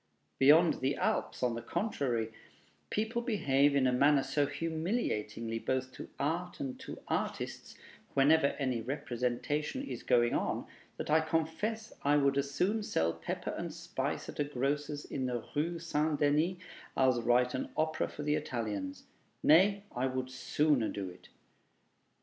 Beyond the Alps, on the contrary, people behave in a manner so humiliating both to art and to artists, whenever any representation is going on, that I confess I would as soon sell pepper and spice at a grocer's in the Rue St. Denis as write an opera for the Italians nay, I would sooner do it.